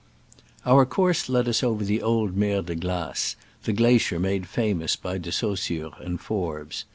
Our course led us over the old Mer de Glace, the glacier made famous by De Saussure and Forbes.